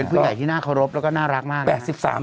ผู้ใหญ่ที่น่าเคารพแล้วก็น่ารักมาก